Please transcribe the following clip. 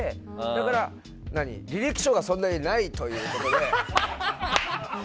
だから、履歴書がそんなにないということで。